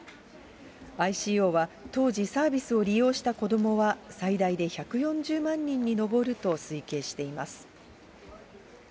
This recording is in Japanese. ＩＣＯは当時、サービスを利用した子どもは最大で１４０万人に上ると推計しています。